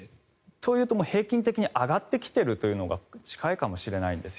というと、平均的に上がってきてるというのが近いかもしれないです。